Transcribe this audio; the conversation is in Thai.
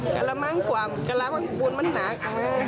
กระละมังคว่ำกระละมังปูนมันหนัก